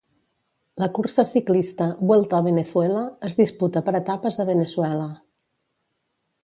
La cursa ciclista "Vuelta a Venezuela" es disputa per etapes a Veneçuela.